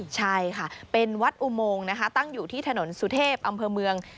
ใช่ค่ะเป็นวัดอุโมงนะคะตั้งอยู่ที่ถนนสุเทพอำเภอเมือง